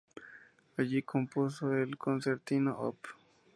Allí compuso el Concertino Op.